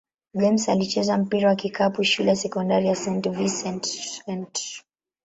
James alicheza mpira wa kikapu shule ya sekondari St. Vincent-St.